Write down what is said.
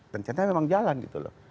bencana memang jalan gitu loh